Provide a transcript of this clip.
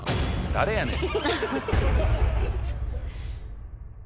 誰やねん。